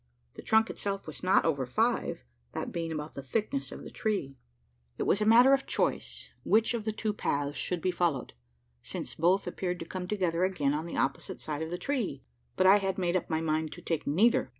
The trunk itself was not over five that being about the thickness of the tree. It was a matter of choice which of the two paths should be followed: since both appeared to come together again on the opposite side of the tree; but I had made up my mind to take neither.